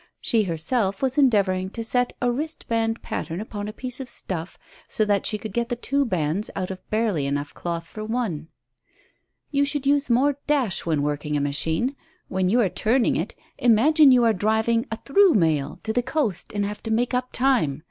She herself was endeavouring to set a wristband pattern upon a piece of stuff so that she could get the two bands out of barely enough cloth for one. "You should use more dash when working a machine. When you are turning it, imagine you are driving a 'through mail' to the coast and have to make up time.